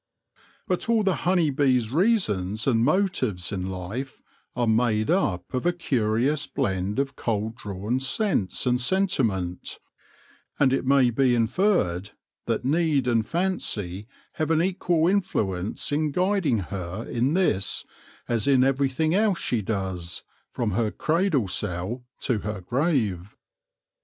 But all the honey bee's reasons and motives in life are made up of a curious blend of cold drawn sense and sentiment ; and it may be inferred that need and fancy have an equal influence in guiding her in this, as in everything else she does, from her cradle cell to her grave.